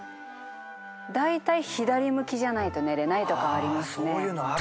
だいたい左向きじゃないと寝れないとかはありますね。